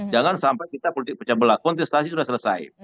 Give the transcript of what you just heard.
jangan sampai kita politik pecah belah kontestasi sudah selesai